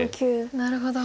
なるほど。